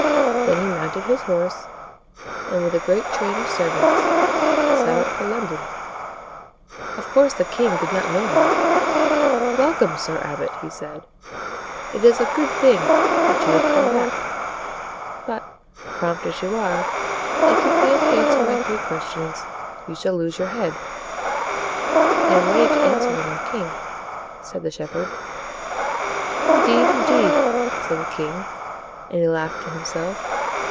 Then he mounted his horse, and with a great train of servants set out for London. Of course the king did not know him. "Welcome, Sir Abbot!" he said. "It is a good thing that you have come back. But, prompt as you are, if you fail to answer my three questions, you shall lose your head." "I am ready to answer them, O king!" said the shepherd. "Indeed, indeed!" said the king, and he laughed to himself.